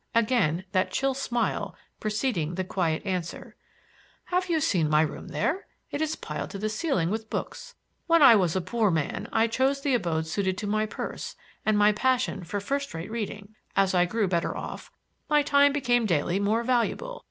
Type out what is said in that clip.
Again that chill smile preceding the quiet answer: "Have you seen my room there? It is piled to the ceiling with books. When I was a poor man, I chose the abode suited to my purse and my passion for first rate reading. As I grew better off, my time became daily more valuable.